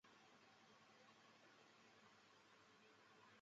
大莫古尔是巴西米纳斯吉拉斯州的一个市镇。